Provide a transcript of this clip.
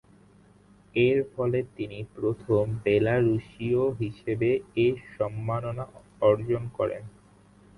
এরফলে তিনি প্রথম বেলারুশীয় হিসেবে এ সম্মাননা অর্জন করেন।